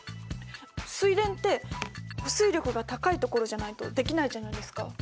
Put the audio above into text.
水田って保水力が高いところじゃないとできないじゃないですか。